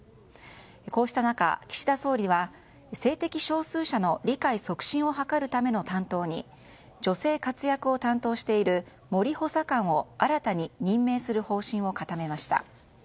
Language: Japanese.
こうした中、岸田総理は性的少数者の理解促進を図るための担当に女性活躍を担当している森補佐官を新たに任命する方針を固めました。